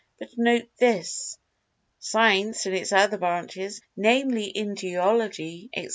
But, note this, Science in its other branches, namely in Geology, etc.